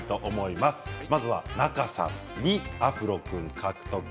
まずは仲さん、２アフロ君獲得。